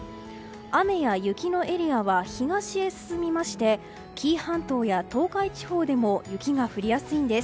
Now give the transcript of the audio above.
雨や雪のエリアは東へ進みまして紀伊半島や東海地方でも雪が降りやすいんです。